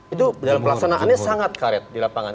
itu dalam pelaksanaannya sangat karet di lapangan